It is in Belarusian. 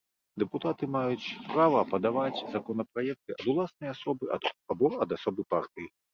Дэпутаты маюць права падаваць законапраекты ад уласнай асобы або ад асобы партыі.